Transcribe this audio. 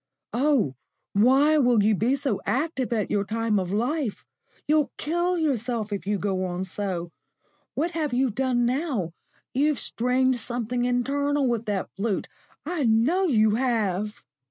"Oh, why will you be so active at your time of life? You'll kill yourself if you go on so. What have you done now? You've strained something internal with that flute I know you have."